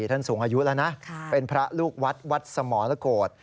ท่านสูงอายุแล้วนะเป็นพระลูกวัดวัดสมรโกรธ